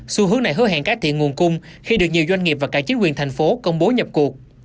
xu hướng này hứa hẹn cải thiện nguồn cung khi được nhiều doanh nghiệp và cả chính quyền thành phố công bố nhập cuộc